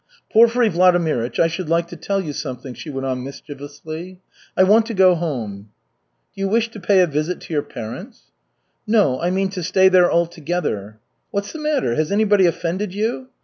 "Porfiry Vladimirych, I should like to tell you something," she went on mischievously. "I want to go home." "Do you wish to pay a visit to your parents?" "No, I mean to stay there altogether." "What's the matter? Has anybody offended you?"